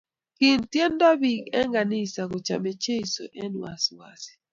Kitiendyo biik ab kanisa kochame Chesu eng wasiwasi